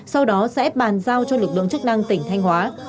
sau đó sẽ bàn giao cho lực lượng chức năng tỉnh thanh hóa